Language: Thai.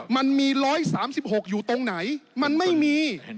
มันมี๑๓๖อยู่ตรงไหนมันไม่มี